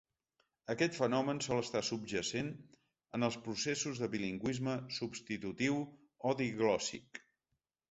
Aquest fenomen sol estar subjacent en els processos de bilingüisme substitutiu o diglòssic.